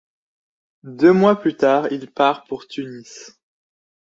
Deux mois plus tard, il part pour Tunis.